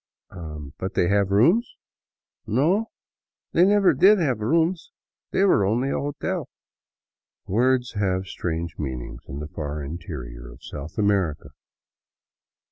" But they have rooms ?"" No, they never did have rooms. They were only a hotel." Words have strange meanings in the far interior of South America.